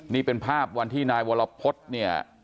นี่เป็นภาพวันที่นายวรพฤษเนี่ย